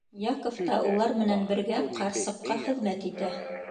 Яков та улар менән бергә ҡарсыҡҡа хеҙмәт итә.